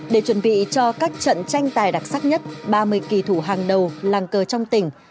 để chuẩn bị cho các trận tranh tài đặc sắc nhất ba mươi kỳ thủ hàng đầu làng cờ trong tỉnh